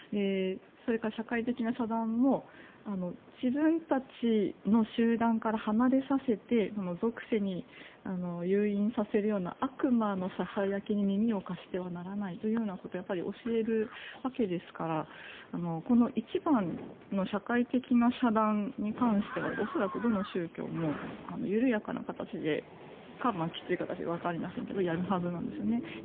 それから、社会的な遮断も自分たちの集団から離れさせて俗世に誘引させるような悪魔のささやきに耳を貸してはならないということを教えるわけですからこの１番の社会的な遮断に関しては恐らく、どの宗教も緩やかな形かきつい形かわかりませんけどやるはずなんですよね。